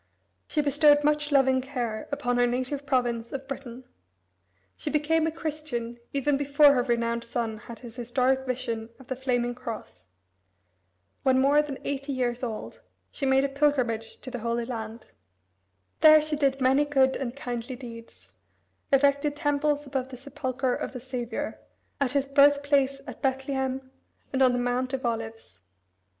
She bestowed much loving care upon her native province of Britain. She became a Christian even before her renowned son had his historic vision of the flaming cross. When more than eighty years old she made a pilgrimage to the Holy Land. There she did many good and kindly deeds, erected temples above the Sepulchre of the Saviour, at his birthplace at Bethlehem, and on the Mount of Olives.